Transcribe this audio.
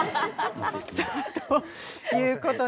さあということで。